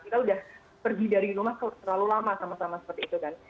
kita sudah pergi dari rumah terlalu lama sama sama seperti itu kan